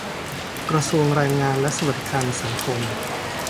กระทรวงแรงงานและสวัสดิการสังคม